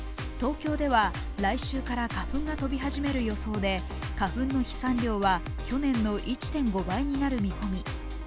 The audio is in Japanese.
東京では来週から花粉が飛び始める予想で、花粉の飛散量は去年の１．５倍になる見込み。